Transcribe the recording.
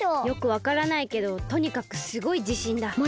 よくわからないけどとにかくすごいじしんだ。